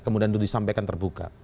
kemudian disampaikan terbuka